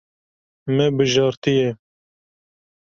Me bijartiye.